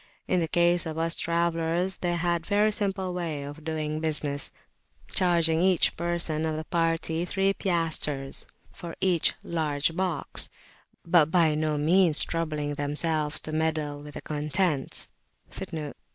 In the case of us travellers they had a very simple way of doing business, charging each person of the party three piastres for each large box, but by no means troubling themselves to meddle with the contents.